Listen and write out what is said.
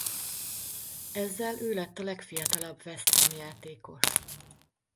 Ezzel ő lett a legfiatalabb West Ham játékos.